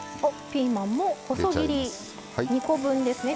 ピーマンも細切り２コ分ですね。